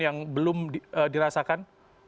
yang belum dirasakan